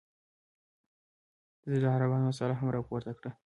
ده د عربانو مسله هم راپورته کړه.